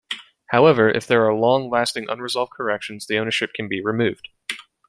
However, if there are long lasting unresolved corrections, the ownership can be removed.